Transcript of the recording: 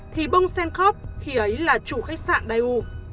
thì bongsen corp khi ấy là chủ khách sạn daewoo